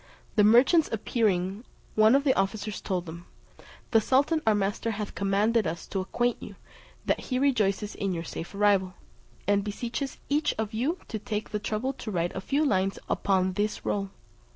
The merchants appearing, one of the officers told them, "The sultan our master hath commanded us to acquaint you, that he rejoices in your safe arrival, and beseeches each of you to take the trouble to write a few lines upon this roll.